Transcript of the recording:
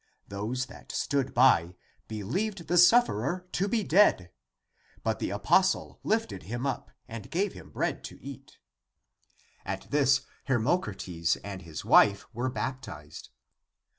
Those that stood by, believed the sufferer to be dead; but the apostle lifted him up and gave him bread to eat. At this Hermo crates and his wife were baptized.